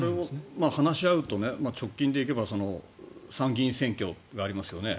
話し合うと、直近で行けば参議院選挙がありますよね。